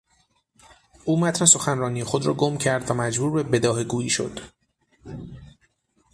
او متن سخنرانی خود را گم کرد و مجبور به بداهه گویی شد.